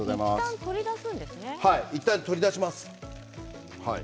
いったん取り出します。